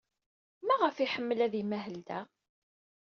Maɣef ay iḥemmel ad imahel da?